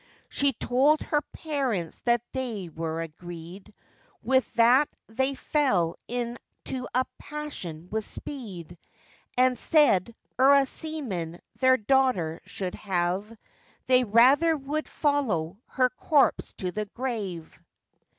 She told her parents that they were agreed: With that they fell into a passion with speed, And said, ere a seaman their daughter should have, They rather would follow her corpse to the grave.